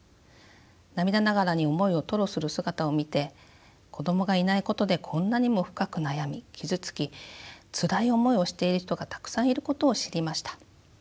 涙ながらに思いを吐露する姿を見て子どもがいないことでこんなにも深く悩み傷つきつらい思いをしている人がたくさんいることを知りました。